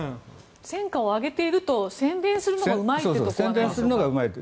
戦果を上げていると宣伝するのがうまいんですね。